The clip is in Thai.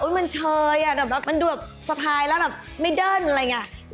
อุ๊ยมันเฉยอะมันดูแบบสะพายแล้วแบบไม่เดินอะไรอย่างนี้